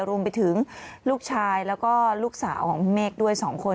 รวมไปถึงลูกชายแล้วก็ลูกสาวของคุณเมฆด้วย๒คน